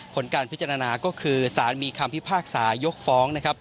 ผลการพิจารณาก็คือสารมีคำพิพากษายกฟ้องนะครับ